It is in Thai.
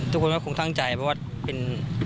ทุกคนก็คงตั้งใจเพราะว่าเป็น